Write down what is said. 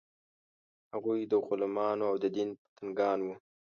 هغوی د غلمانو او د دین پتنګان وو.